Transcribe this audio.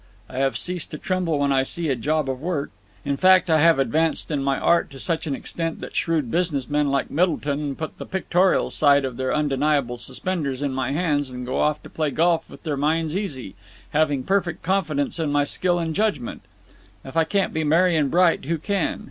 I have ceased to tremble when I see a job of work. In fact, I have advanced in my art to such an extent that shrewd business men like Middleton put the pictorial side of their Undeniable Suspenders in my hands and go off to play golf with their minds easy, having perfect confidence in my skill and judgment. If I can't be merry and bright, who can?